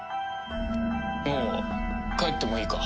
もう帰ってもいいか？